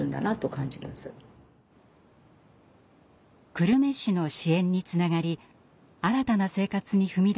久留米市の支援につながり新たな生活に踏み出した女性です。